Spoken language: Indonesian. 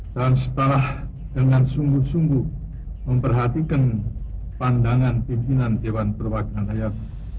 dan setelah dengan sungguh sungguh memperhatikan pandangan pimpinan dewan perwakilan hayat